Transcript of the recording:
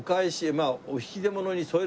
まあ